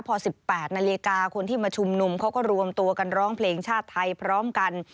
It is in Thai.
พอ๑๘นาฬิกาคนที่มาชุมนุมเขาก็รวมตัวกันร้องเพลงชาติไทยพร้อมกัน